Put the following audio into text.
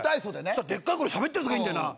そしたらでっかい声でしゃべってるヤツがいるんだよな。